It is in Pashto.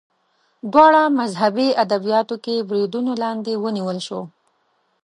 دواړه مذهبي ادبیاتو کې بریدونو لاندې ونیول شول